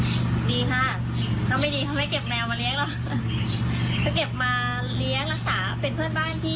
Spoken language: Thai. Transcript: เพราะว่าเขาไม่ได้คนดี